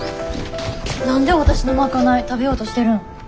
何でわたしの賄い食べようとしてるん？